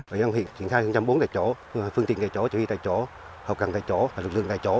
ủy ban huyện triển khai phương châm bốn tại chỗ phương tiện tại chỗ chữ huy tại chỗ hợp cầm tại chỗ lực lượng tại chỗ